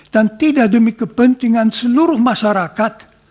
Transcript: dan tidak demi kepentingan seluruh masyarakat